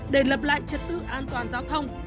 để lập lại trật tự an toàn giao thông